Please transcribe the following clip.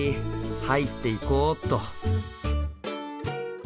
入っていこっと。